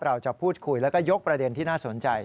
เราจะพูดคุยแล้วก็ยกประเด็นที่น่าสนใจ